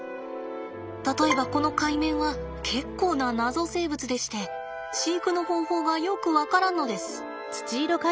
例えばこのカイメンは結構な謎生物でして飼育の方法がよく分からんのです。